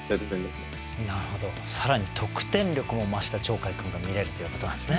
なるほど更に得点力も増した鳥海君が見れるということなんですね。